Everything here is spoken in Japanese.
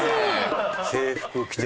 制服着て。